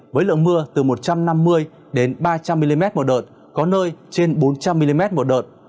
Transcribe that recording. với lượng mưa từ một trăm năm mươi ba trăm linh mm một đợt có nơi trên bốn trăm linh mm một đợt